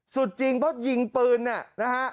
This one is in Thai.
สุดจริงเพราะยิงปืนเนี่ยนะฮะ